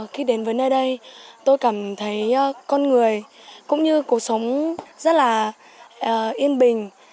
khi đến với nơi đây tôi cảm thấy con người cũng như cuộc sống rất là yên bình